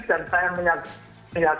dan saya menyakitkan